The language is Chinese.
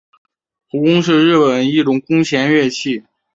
胡弓是日本的一种弓弦乐器。